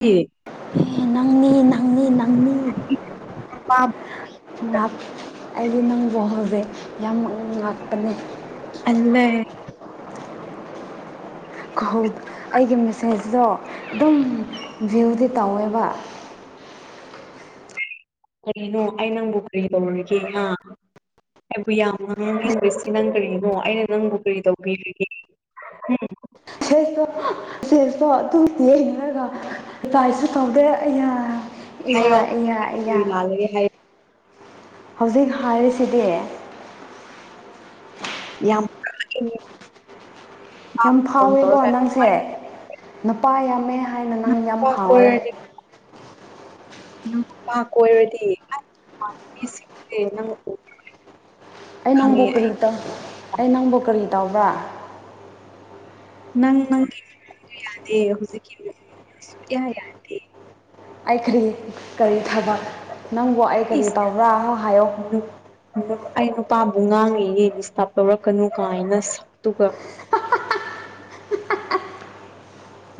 ꯌꯦ ꯅꯪꯅꯤ ꯅꯪꯅꯤ ꯅꯪ ꯄ ꯑꯩꯗꯤ ꯅꯪ ꯣꯍꯧꯁꯦ ꯌꯥꯝꯃꯛꯨꯛꯅꯤꯡ ꯉꯥꯛꯄꯅꯦ ꯑꯂꯦ ꯑꯩꯒꯤ ꯃꯦꯁꯦꯖꯇꯣ ꯑꯗꯨꯝ ꯚ꯭ꯌꯨꯗꯤ ꯇꯧꯋꯦꯕ ꯀꯔꯤꯅꯣ ꯑꯩ ꯅꯪꯕꯨ ꯀꯔꯤ ꯇꯧꯔꯔꯤꯒꯦ ꯑ ꯑꯩꯕꯨ ꯌꯥꯝ ꯉꯥꯡꯅꯤꯡꯗꯁꯤ ꯅꯪ ꯀꯔꯤꯅꯣ ꯑꯩꯅ ꯅꯪꯕꯨ ꯀꯔꯤ ꯇꯧꯕꯤꯔꯤꯒꯦ ꯎꯝ ꯁꯦꯁꯇꯣ ꯁꯦꯁꯇꯣ ꯑꯗꯨ ꯇꯦꯔꯒ ꯄꯥꯥꯏꯁꯨ ꯇꯧꯗꯦ ꯏꯌꯥ ꯏꯌꯥ ꯍꯥꯏꯌꯣ ꯏꯌꯥ ꯏꯌꯥ ꯂꯥꯜꯂꯒꯦ ꯍꯥꯏ ꯍꯧꯖꯤꯛ ꯍꯥꯏꯔꯤꯁꯤꯗꯤ ꯌꯥꯝ [unintelligible] ꯌꯥꯝ ꯐꯣꯟ ꯐꯥꯎꯋꯦꯀꯣ ꯇꯧꯔꯒ ꯅꯪꯁꯦ ꯑꯗꯨꯃꯥꯏꯅ ꯅꯨꯄꯥ ꯌꯥꯝꯃꯦ ꯍꯥꯏꯅ ꯅꯪ ꯌꯥꯝ ꯅꯨꯄꯥ ꯐꯥꯎꯔꯦ ꯀꯣꯏꯔꯗꯤ ꯅꯪ ꯅꯨꯄꯥ ꯀꯣꯏꯔꯗꯤ [unintelligible] ꯅꯪ ꯑꯩ ꯅꯪꯕꯨ ꯈꯪꯉꯦ ꯀꯔꯤ ꯇꯧ ꯑꯩ ꯅꯪꯕꯨ ꯀꯔꯤ ꯇꯧꯕ꯭ꯔꯥ ꯅꯪ ꯅꯪꯗꯤ ꯌꯥꯗꯦ [unintelligible] ꯍꯧꯖꯤꯛꯀꯤ ꯁꯨꯛꯌꯥ ꯌꯥ ꯑꯩ ꯀꯔꯤ ꯀꯔꯤ ꯊꯕꯛ ꯅꯪꯕꯨ ꯑꯩ ꯀꯔꯤ ꯏꯁ ꯇꯕ꯭ꯔꯥꯅꯣ ꯍꯥꯏꯌꯣ ꯑꯩ ꯅꯨꯄꯥꯕꯨ ꯉꯥꯡꯉꯤꯌꯦ ꯗꯤꯁꯇꯔꯕ ꯇꯧꯔꯛꯀꯅꯨ ꯀꯥꯏꯅ ꯁꯛꯇꯨꯒ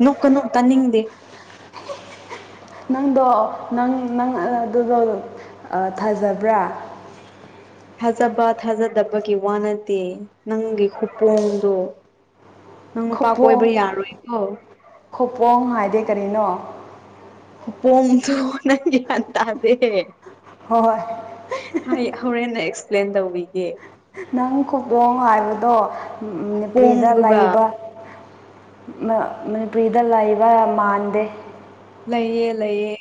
ꯅꯣꯛ ꯀꯅꯨ ꯇꯥꯅꯤꯡꯗꯦ ꯅꯪꯗꯣ ꯅꯪ ꯅꯪ ꯑꯗꯨꯗꯣ ꯑ ꯊꯥꯖꯕ꯭ꯔꯥ ꯊꯥꯖꯕ ꯊꯥꯖꯗꯕꯒꯤ ꯋꯥ ꯅꯗꯦ ꯅꯪꯒꯤ ꯈꯨꯄꯣꯡꯗꯣ ꯅꯪ ꯅꯨꯄꯥ ꯀꯣꯏꯕ꯭ꯔ ꯌꯥꯔꯣꯏꯀꯣ ꯈꯄꯣꯡ ꯍꯥꯏꯗꯤ ꯀꯔꯤꯅꯣ ꯄꯣꯝꯗꯅ ꯇꯗꯦ ꯍꯣꯏ ꯍꯣꯏ ꯍꯥꯏ ꯍꯣꯔꯦꯟꯟꯅ ꯑꯦꯛꯁꯄ꯭ꯂꯦꯟ ꯇꯧꯕꯤꯒꯦ ꯅꯪ ꯈꯗꯣꯡ ꯍꯥꯏꯕꯗꯣ ꯅꯨꯄꯤ꯭ꯔꯤꯗ ꯄꯣꯡꯗꯨꯒ ꯂꯩꯕ ꯃꯅꯤꯄꯨꯔꯤꯗ ꯂꯩꯕ ꯃꯥꯟꯗꯦ ꯂꯩꯌꯦ ꯂꯩꯌꯦ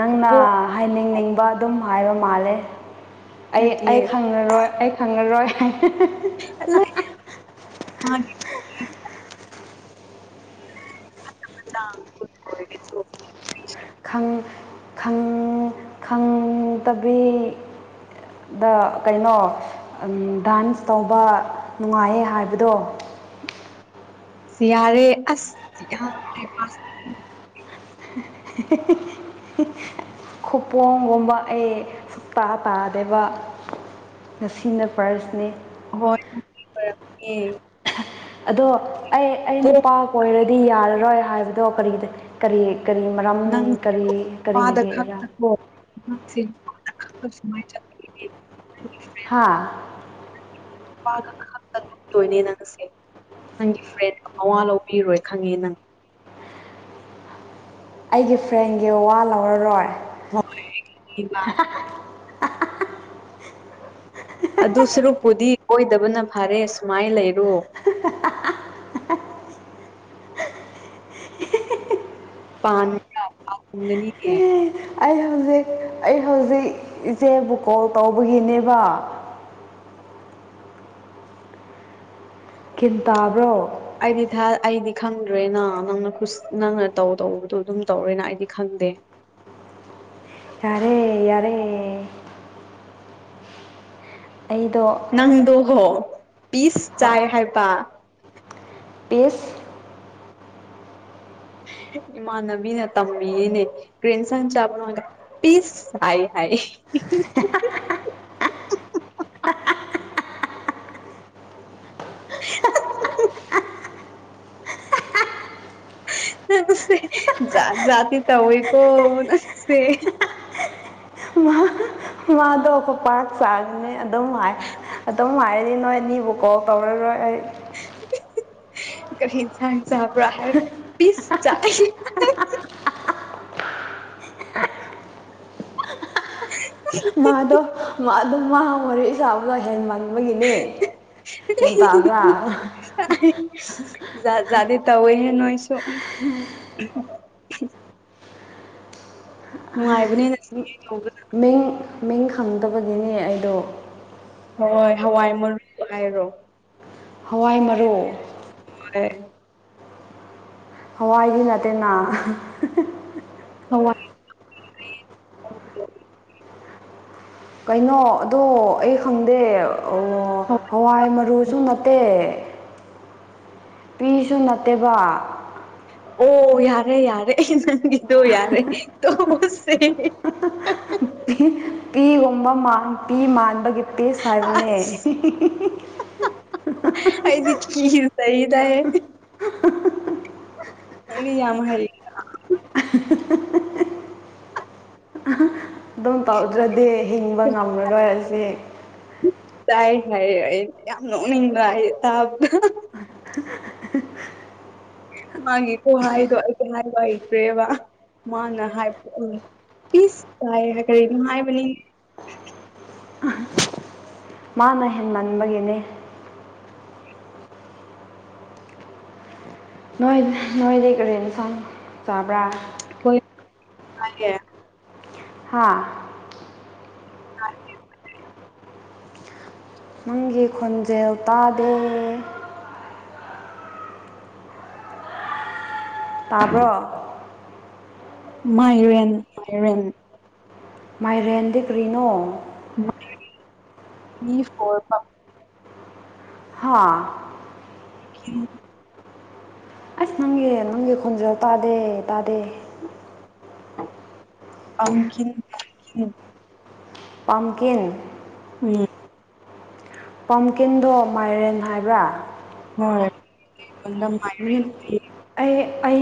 ꯅꯪꯅ ꯈꯨꯄꯣꯡ ꯍꯥꯏꯅꯤꯡꯅꯤꯡꯕ ꯑꯗꯨꯝ ꯍꯥꯏꯕ ꯃꯥꯜꯂꯦ ꯑꯩ ꯑꯩ ꯅꯠꯇꯤꯌꯦ ꯈꯪ ꯈꯪꯉꯔꯣꯏ ꯑꯩ ꯈꯪꯉꯔꯣꯏ ꯍꯂ ꯂꯥꯡ ꯀꯠꯒꯦ ꯈꯪ ꯈꯪ ꯇꯕꯤ ꯗ ꯀꯩꯅꯣ ꯗꯥꯟꯁ ꯇꯧꯕ ꯅꯨꯡꯉꯥꯏꯌꯦ ꯍꯥꯏꯕꯗꯣ ꯆꯌꯥꯔꯦ ꯑꯁ ꯆ ꯈꯨꯄꯣꯡꯒꯨꯝꯕ ꯑꯩ ꯁꯨꯛꯇꯇꯥ ꯇꯥꯗꯦꯕ ꯉꯁꯤꯅ ꯄ꯭ꯔꯖꯅꯤ ꯍꯣꯏ ꯑꯗꯣ ꯑꯩ ꯑꯩ ꯄꯣꯛ ꯅꯨꯄꯥ ꯀꯣꯏꯔꯗꯤ ꯌꯥꯔꯔꯣꯏ ꯍꯥꯏꯕꯗꯣ ꯀꯔꯤꯗ ꯀꯔꯤ ꯀꯔꯤ ꯃꯔꯝ ꯅꯪ ꯀꯔꯤ ꯀꯔꯤꯒꯤꯔ ꯈ ꯆ ꯍꯥ ꯈꯛꯇꯠꯇꯣꯏꯅꯦ ꯅꯪꯁꯦ ꯅꯪꯒꯤ ꯐ꯭ꯔꯦꯟ ꯑꯋꯥ ꯂꯧꯕꯤꯔꯣꯏ ꯈꯪꯉꯦ ꯅꯪ ꯑꯩꯒꯤ ꯐ꯭ꯔꯦꯟꯒꯤ ꯋꯥ ꯂꯧꯔꯔꯣꯏ ꯍꯣꯏ ꯑꯗꯨ ꯁꯔꯨꯛꯄꯨꯗꯤ ꯀꯣꯏꯗꯕꯅ ꯐꯔꯦ ꯁꯨꯃꯥꯏꯅ ꯂꯩꯔꯣ ꯄꯥꯟꯗ ꯎꯒꯅꯤꯅꯦ ꯑꯩ ꯍꯧꯖꯤꯛ ꯑꯩ ꯍꯧꯖꯤꯛ ꯏꯆꯦꯕꯨ ꯀꯣꯜ ꯇꯧꯕꯒꯤꯅꯦꯕ ꯈꯤꯤꯟ ꯇꯥꯕ꯭ꯔꯣ ꯑꯩꯗꯤ ꯊ ꯑꯩꯗꯤ ꯈꯪꯗ꯭ꯔꯦꯅ ꯅꯪꯅ ꯅꯪꯅ ꯇꯧ ꯇꯧꯕꯗꯣ ꯑꯗꯨꯝ ꯇꯧꯔꯦꯅ ꯑꯩꯗꯤ ꯈꯪꯗꯦ ꯌꯥꯔꯦ ꯌꯥꯔꯦ ꯑꯩꯗꯣ ꯅꯪꯗꯣ ꯍꯣ ꯄꯤꯁ ꯆꯥꯏ ꯍꯣꯏ ꯍꯥꯏꯕ ꯄꯤꯁ ꯏꯃꯥꯟꯅꯕꯤꯅ ꯇꯝꯕꯤꯌꯦꯅꯦ ꯀ꯭ꯔꯦꯟꯁꯟ ꯆꯥꯃꯒ ꯄꯤꯁ ꯍꯥꯏ ꯍꯥꯏ [unintelligible] ꯅꯦ ꯖꯇ ꯇꯧꯣꯏꯀꯣ ꯅꯦ ꯋꯥ ꯏꯃꯥꯗ ꯑꯩꯈꯣꯏ ꯄꯥꯔ ꯆꯥꯕꯅꯤ ꯑꯗꯨꯝ ꯍꯥꯏ ꯑꯗꯨꯝ ꯍꯥꯏꯔꯗꯤ ꯅꯣꯏ ꯑꯅꯤꯕꯨ ꯀꯣ ꯀꯧꯔꯔꯣꯏ ꯑꯩ ꯀꯍꯤ ꯊ ꯁꯥꯕ꯭ꯔ ꯍꯥꯏꯔ ꯄꯤꯁ ꯆ ꯑꯗꯨ ꯃꯥꯗ ꯑꯗꯨꯝ ꯃꯥ ꯃꯔꯤ ꯆꯥꯕꯒ ꯍꯦꯟ ꯃꯟꯕꯒꯤꯅꯤ ꯍꯦꯟ ꯇꯥꯕ꯭ꯔꯥ ꯗꯦ ꯇꯋꯏꯍꯦ ꯅꯣꯏꯁꯨꯣ ꯎꯝ ꯎ ꯅꯨꯡꯉꯥꯏꯕꯅꯦ ꯅ ꯌ ꯃꯤꯡ ꯃꯤꯡ ꯈꯪꯗꯕꯒꯤꯅꯦ ꯑꯩ ꯍꯣꯏ ꯍꯣꯏ ꯍꯋꯥꯏ ꯃꯔꯨ ꯍꯥꯏꯔꯣ ꯋꯥꯋꯥꯏ ꯃꯔꯨ ꯍ ꯍꯋꯥꯏꯒꯤ ꯅꯠꯇꯦꯅ ꯑꯣ ꯀꯩꯅꯣ ꯑꯗꯣ ꯑꯩ ꯈꯪꯗꯦ ꯑꯣ ꯍꯋꯥꯏ ꯃꯔꯨꯁꯨ ꯅꯠꯇꯦ ꯄꯤꯁꯨ ꯅꯠꯇꯦꯕ ꯑꯣ ꯌꯥꯔꯦ ꯌꯥꯔꯦ ꯅꯪꯒꯤꯗꯣ ꯌꯥꯔꯦ ꯇꯁꯦ ꯑꯣ ꯄꯤꯒꯨꯝꯕ ꯄꯤ ꯃꯥꯟꯕꯒꯤ ꯄꯤꯁ ꯍꯥꯏꯕꯅꯦ ꯑꯁ ꯑꯩꯗꯤ ꯀ ꯆꯍꯤꯗꯑ ꯪꯗꯤ ꯌꯥꯝ ꯍꯥꯏ [inaudible] ꯑꯗꯨꯝ ꯇꯧꯗ꯭ꯔꯗꯤ ꯍꯤꯡꯕ ꯉꯝꯂꯔꯣꯏꯔꯁ ꯇꯥꯏ ꯍꯥꯏ ꯍꯥꯏ ꯌꯥꯝꯅ ꯎꯅꯤꯡꯕ ꯍꯥꯏ ꯇꯥꯕ ꯃꯥꯒꯤ ꯀꯣꯍꯥꯏꯗꯣ ꯑꯩꯗꯤ ꯍꯥꯏꯕ ꯍꯩꯇ꯭ꯔꯦꯕ ꯃꯥꯅ ꯍꯥꯏ ꯎ ꯄꯤꯁ ꯀꯥꯏ ꯍ ꯀꯔꯤ ꯅꯅꯨꯡꯉꯥꯏꯕ ꯃꯥꯅ ꯍꯦ ꯃꯟꯕꯒꯤꯅꯦ ꯅꯣꯏ ꯅꯣꯏꯗꯤ ꯀꯦꯟ ꯁꯪ ꯆꯕ꯭ꯔꯥ ꯑꯩꯣꯏ ꯍꯥꯏꯦ ꯍꯥꯥ ꯑ ꯅꯪꯒꯤ ꯈꯣꯟꯖꯦꯜ ꯇꯥꯗꯦ ꯇꯥꯕ꯭ꯔ‌ꯣ ꯃꯥꯏꯔꯦꯟ ꯃꯥꯏꯔꯦꯟ ꯃꯥꯏꯔꯦꯟꯗꯤ ꯀꯔꯤꯅꯣ [inaudible] ꯃꯤ [inaudible] ꯍꯥꯥ ꯎꯝ ꯑꯁ ꯅꯪꯒꯤ ꯅꯪꯒꯤ ꯈꯣꯟꯖꯦꯜ ꯇꯥꯗꯦ ꯇꯥꯗꯦ ꯑ ꯀꯤꯟ ꯄꯝꯀꯤꯟ ꯎꯝ ꯄꯝꯀꯤꯟꯗꯣ ꯃꯥꯏꯔꯦꯟ ꯍꯥꯏꯕ꯭ꯔꯥ ꯍꯣꯏ ꯑꯩ ꯑꯩ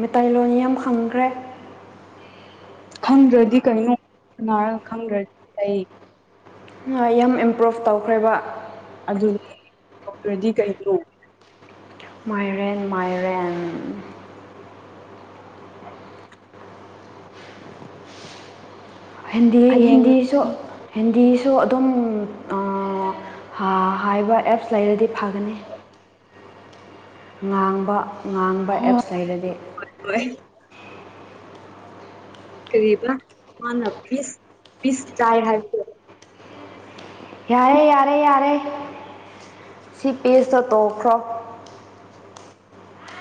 ꯃꯩꯇꯩꯂꯣꯟ ꯌꯥꯝ ꯈꯪꯈ꯭ꯔꯦ ꯈꯪꯗ꯭ꯔꯗꯤ ꯀꯩꯅꯣ ꯁꯅꯥꯔꯒ ꯈꯪꯗ꯭ꯔꯗꯤ ꯂꯩ ꯌꯥꯝ ꯏꯝꯄ꯭ꯔꯨꯚ ꯇꯧꯈ꯭ꯔꯦꯕ ꯑꯗꯨꯅꯤ ꯗꯣꯛꯇꯔꯗꯤ ꯀꯩꯅꯣ ꯃꯥꯏꯔꯦꯟ ꯃꯥꯏꯔꯦꯟ ꯍꯔ ꯍꯤꯟꯗꯤ ꯍꯌꯦꯡ ꯍꯤꯟꯗꯤꯁꯨ ꯍꯤꯟꯗꯤꯁꯨ ꯑꯗꯨꯝ ꯍꯥꯏꯕ ꯑꯦꯞꯁ ꯂꯩꯔꯗꯤ ꯐꯒꯅꯤ ꯉꯥꯡꯕ ꯉꯥꯡꯕ ꯑꯦꯞꯁ ꯂꯩꯔꯗꯤ ꯍꯣꯏ ꯍꯣꯏ ꯀꯔꯤꯕ ꯃꯥꯅ ꯄꯤꯁ ꯄꯤꯁ ꯆꯥꯏ ꯍꯥꯏꯕꯗ‌ꯣ ꯌꯥꯔꯦ ꯌꯥꯔꯦ ꯌꯥꯔꯦ ꯁꯤ ꯄꯦꯁꯇꯣ ꯇꯣꯛꯈ꯭ꯔꯣ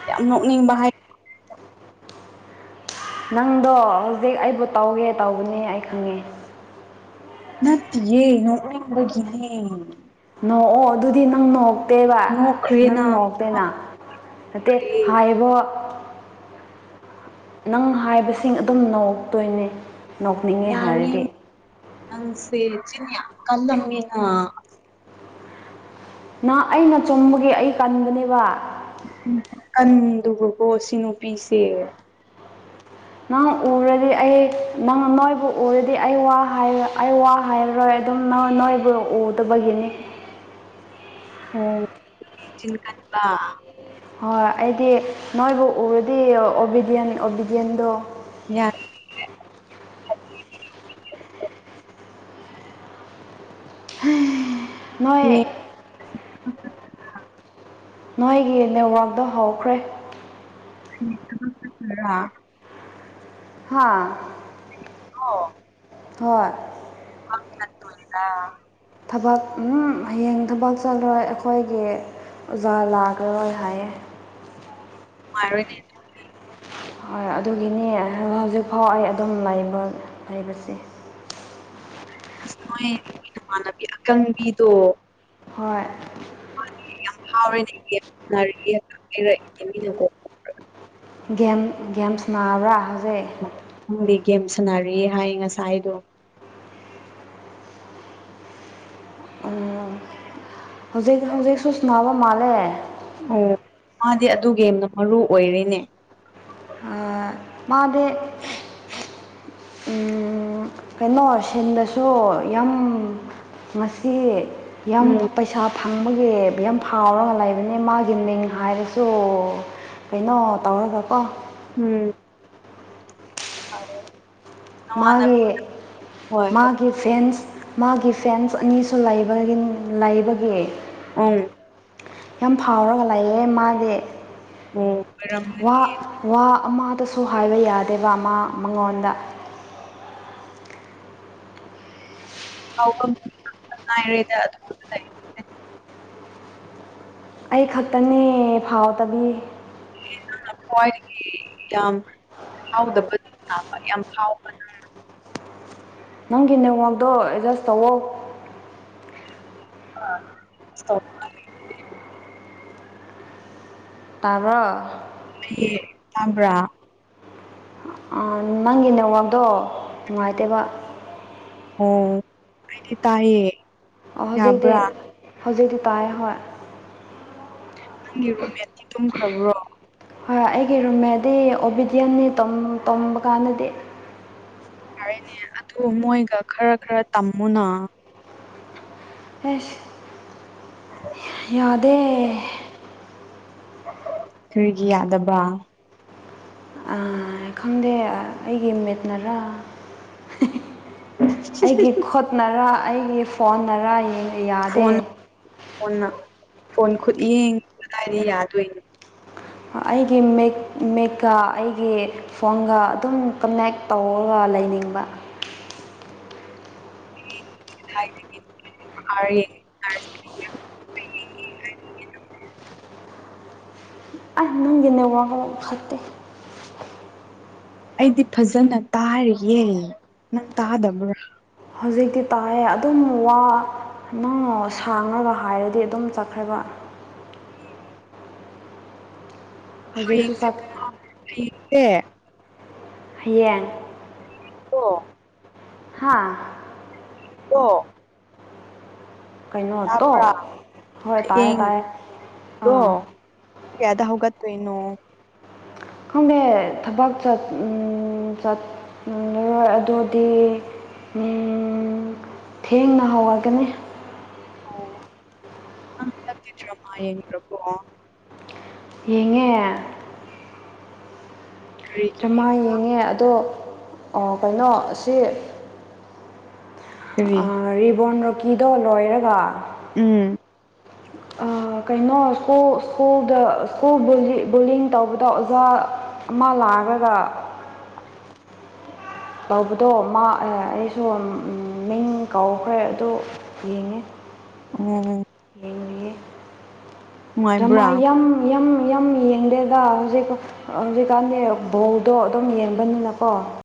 ꯌꯥꯝ ꯅꯣꯛꯅꯤꯡꯕ ꯍꯥꯏ ꯅꯪꯗꯣ ꯍꯧꯖꯤꯛ ꯑꯩꯕꯨ ꯇꯧꯒꯦ ꯇꯧꯕꯅꯦ ꯑꯩ ꯈꯪꯉꯦ ꯅꯠꯇꯤꯌꯦ ꯅꯣꯛꯅꯤꯡꯕꯒꯤꯅꯦ ꯅꯣ ꯑꯣ ꯑꯗꯨꯗꯤ ꯅꯪ ꯅꯣꯛ ꯅꯠꯇꯦꯕ ꯅꯪ ꯅꯣꯛꯈ꯭ꯔꯦꯅ ꯅꯣꯛꯇꯦꯅ ꯅꯠꯇꯦ ꯀꯔꯤ ꯍꯥꯏꯕ ꯅꯪ ꯍꯥꯏꯕꯁꯤꯡ ꯑꯗꯨꯝ ꯅ‌ꯣꯛꯇꯣꯏꯅꯦ ꯌꯥꯔꯤ ꯅꯪꯁꯦ ꯆꯤꯟ ꯌꯥꯝ ꯀꯜꯂꯝꯃꯤꯅ ꯅ ꯑꯩꯅ ꯆꯨꯝꯕꯒꯤ ꯑꯩ ꯇꯟꯕꯅꯦꯕ ꯀꯟꯗꯨꯀꯣ ꯁꯤ ꯅꯨꯄꯤꯁꯦ ꯅꯪ ꯎꯔꯗꯤ ꯑꯩ ꯅꯪ ꯃꯣꯏꯕꯨ ꯎꯔꯗꯤ ꯑꯩ ꯑꯩ ꯋꯥ ꯍꯥꯏꯔꯔꯣꯏ ꯑꯗꯨꯝ ꯅ ꯅꯣꯏꯕꯨ ꯎꯗꯕꯒꯤꯅꯤ ꯑꯣ ꯅꯨꯄꯤ ꯆꯤꯟ ꯀꯟꯕ ꯍꯣꯏ ꯑꯩꯗꯤ ꯅꯣꯏꯕꯨ ꯎꯔꯗꯤ ꯑꯣꯕꯤꯗꯤꯌꯟ ꯑꯣꯕꯤꯗꯤꯌꯟꯗꯣ ꯌꯥ ꯅꯣꯏ ꯌꯥꯔꯦꯅꯦ ꯅꯣꯏꯒꯤ ꯅꯦꯠꯋꯥꯛꯗꯣ ꯍꯧꯈ꯭ꯔꯦ [unintelligible] ꯍꯥꯥ ꯑꯣ ꯍꯣꯏ [unintelligible] ꯊꯕꯛ ꯎꯝ ꯍꯌꯦꯡ ꯊꯕꯛ ꯆꯠꯂ‌ꯣꯏ ꯑꯩꯈꯣꯏꯒꯤ ꯑꯣꯖꯥ ꯂꯥꯛꯑꯔꯣꯏ ꯍꯥꯏꯌꯦ ꯅꯨꯡꯉꯥꯏꯔ‌ꯣꯏꯅ‌ꯦ ꯍꯣꯏ ꯑꯗꯨꯒꯤꯅꯤ ꯍꯧꯖꯤꯛꯐꯥꯎ ꯑꯩ ꯑꯗꯨꯝ ꯂꯩꯕ ꯂꯩꯕꯁꯤ ꯑꯁ ꯅ‌ꯣꯏꯒꯤ ꯅꯃꯥꯟꯅꯕꯤ ꯑꯀꯟꯕꯤꯗꯣ ꯍꯣꯏ [unintelligible] ꯒꯦꯝ ꯒꯦꯝꯁ ꯁꯅꯥꯕ꯭ꯔꯥ ꯍꯧꯖꯤꯛ ꯅꯪꯗꯤ ꯒꯦꯝ ꯁꯥꯟꯅꯔꯤ ꯍꯥꯏ ꯉꯁꯥꯏꯗꯣ ꯍꯧꯖꯤꯛ ꯍꯧꯖꯤꯛ ꯁ ꯅꯥꯕ ꯃꯥꯜꯂꯦ ꯑꯣ ꯃꯥꯗꯤ ꯑꯗꯨꯒ ꯌꯥꯝꯅ ꯃꯔꯨ ꯑꯣꯏꯔꯤꯅꯦ ꯃꯥꯗ ꯀꯩꯅꯣ ꯁꯤꯟꯗꯁꯨ ꯌꯥꯝ ꯃꯁꯤ ꯌꯥꯝ ꯎꯝ ꯄꯩꯁꯥ ꯐꯪꯕꯒꯤ ꯌꯥꯝ ꯐꯥꯎꯔꯒ ꯂꯩꯕꯅꯤ ꯃꯥꯒꯤ ꯃꯤꯡ ꯍꯥꯏꯔꯁꯨ ꯀꯩꯅꯣ ꯇꯧꯔꯒꯀꯣ ꯎꯝ ꯃꯥꯒꯤ ꯍꯣꯏ ꯃꯥꯒꯤ ꯐꯦꯟꯁ ꯃꯥꯒꯤ ꯐꯦꯟꯁ ꯑꯅꯤꯁꯨ ꯂꯩꯕ ꯂꯩꯕꯒꯤ ꯑꯝ ꯌꯥꯝ ꯐꯥꯎꯔꯒ ꯂꯩꯌꯦ ꯃꯥꯗꯤ ꯎꯝ ꯑꯣꯏꯔꯝꯅꯤ ꯋꯥ ꯋꯥ ꯑꯃꯗꯁꯨ ꯍꯥꯏꯕ ꯌꯥꯗꯦꯕ ꯃꯥ ꯃꯉꯣꯟꯗ ꯍꯥꯎꯕ ꯃꯤ ꯉꯥꯛꯇ ꯉꯥꯏꯔꯦꯗ ꯑꯗꯨ ꯑꯩ ꯈꯛꯇꯅꯦ ꯐꯥꯎꯗꯕꯤ ꯍꯋꯥꯣꯏ ꯇ ꯍꯥꯎꯗ ꯌꯥꯝ ꯐꯥꯎ ꯅꯪꯒꯤ ꯅꯦꯋꯥꯛꯗꯣ ꯑꯦꯗꯖꯁ ꯇꯧꯋ ꯣ ꯇꯔꯣ ꯇꯕ꯭ꯔꯥ ꯅꯪꯒꯤ ꯅꯦꯠꯋꯥꯛꯗꯣ ꯅꯨꯡꯉꯥꯏꯇꯦꯕ ꯑꯣꯗꯤ ꯇꯑꯌꯦ ꯑꯣ ꯍꯧꯖꯤꯛꯇꯤ ꯍꯧꯖꯤꯛꯇꯤ ꯇꯥꯏꯦ ꯍꯣꯏ ꯅꯪꯒꯤ ꯔꯨꯝꯃꯦꯠꯇꯤ ꯇꯨꯝꯈ꯭ꯔꯕ꯭ꯔꯣ ꯍꯣꯏ ꯍꯣꯏ ꯑꯩꯒꯤ ꯔꯨꯝꯃꯦꯗꯤ ꯑꯣꯕꯤꯗꯤꯌꯟꯅꯤ ꯇꯣꯝꯕ ꯀꯥꯟꯗꯗꯤ ꯌꯥꯔꯦꯅꯦ ꯑꯗꯨ ꯃꯣꯏꯒ ꯈꯔ ꯈꯔ ꯇꯝꯃꯨꯅ ꯑꯦꯁ [unintelligible] ꯌꯥꯗꯦ ꯑꯩꯈꯔꯤꯒꯤ ꯌꯥꯗꯕ ꯈꯪꯗꯦ ꯑꯩꯒꯤ ꯃꯤꯦꯠꯅꯔꯥ ꯑꯩꯒꯤ ꯈꯨꯠꯅꯔꯥ ꯑꯩꯒꯤ ꯐꯣꯟꯅꯔ ꯌꯥꯗꯦ ꯐꯣꯟ ꯐꯣꯟꯅ ꯐꯣꯟ ꯈꯨꯠ ꯌꯦꯡ ꯀꯗꯥꯏꯗꯤ ꯌꯥꯗꯣꯏꯅꯤ ꯑꯩꯒꯤ ꯃꯦꯛꯀꯥ ꯑꯩꯒꯤ ꯐꯣꯟꯒ ꯑꯗꯨꯝ ꯀꯟꯅꯦꯛ ꯇꯧꯔꯒ ꯂꯩꯅꯤꯡꯕ ꯔ ꯑꯩ ꯅꯪꯒꯤ ꯅꯦꯠꯋꯥꯛ ꯋꯥ ꯈꯛꯇꯦ ꯑꯩꯗꯤ ꯐꯖꯅ ꯇꯥꯔꯤꯌꯦꯦ ꯅꯪ ꯇꯥꯗꯕ꯭ꯔꯥ ꯍꯧꯖꯤꯛꯇꯤ ꯇꯥꯏꯦ ꯑꯗꯨꯝ ꯋꯥ ꯅꯪ ꯁꯥꯡꯅꯕ ꯍꯥꯏꯔꯗꯤ ꯑꯗꯨꯝ ꯆꯠꯈ꯭ꯔꯕ ꯍꯧꯖꯤꯛꯁꯨ ꯆꯠ ꯣꯌꯦ ꯍꯌꯦꯡ ꯑꯣ ꯍꯥꯥ ꯑ ꯀꯩꯅꯣꯠꯇꯣ ꯇꯥꯕ꯭ꯔꯥ ꯍꯣꯏ ꯇꯥꯏꯌꯦ ꯇꯥꯏꯌꯦ ꯍꯌꯦꯡꯗꯣ ꯑꯥ ꯌꯥꯗ ꯍꯒꯠꯇꯣ ꯏꯅ ꯈꯪꯗꯦ ꯊꯕꯛ ꯆꯠꯂꯔꯣꯏ ꯑꯗꯨꯗꯤ ꯊꯦꯡꯅ ꯍꯧꯔꯒꯅꯤ ꯑꯣ ꯑ꯭ꯔꯃ ꯌꯦꯡ꯭ꯔꯣ ꯌꯦꯡꯉꯦ ꯀꯔꯤ ꯆꯃꯥ ꯌꯦꯡꯉꯦ ꯑꯗꯣ ꯀꯩꯅꯣ ꯑꯁꯤ ꯀꯔꯤ ꯔꯤꯕꯣꯟ ꯔꯣꯀꯤꯗꯣ ꯂꯣꯏꯔꯒ ꯎꯝ ꯀꯩꯅꯣ ꯁꯀꯨꯜ ꯁ꯭ꯀꯨꯜꯗ ꯁ꯭ꯀꯨꯜ ꯕꯣꯂꯤꯡ ꯇꯧꯕꯗ ꯑꯣꯖꯥ ꯑꯃ ꯂꯥꯛꯂꯒ ꯀꯧꯕꯗꯣ ꯃꯥ ꯑꯩꯁꯨ ꯃꯤꯡ ꯀꯧꯈ꯭ꯔꯦ ꯑꯗꯨ ꯌꯦꯡꯉꯦ ꯎꯝ ꯌꯦꯡꯉꯦ ꯗꯨ ꯃ ꯅꯨꯡꯉꯥꯏꯕ꯭ꯔꯥ ꯌꯥꯝ ꯌꯝ ꯌꯝ ꯌꯦꯡꯗꯦꯗ ꯍꯧꯖꯤꯛ ꯍꯧꯖꯤꯛꯀꯥꯟꯗꯤ ꯕꯧꯗꯣ ꯑꯗꯨꯝ ꯌꯦꯡꯕꯅꯤꯅꯀꯣ